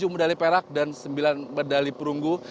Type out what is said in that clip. tujuh medali perak dan sembilan medali perunggu